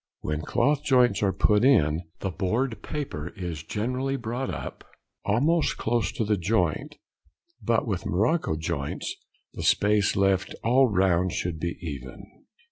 When cloth joints are put in, the board paper is generally brought up almost close to the joint; but with morocco joints, the space left all round should be even.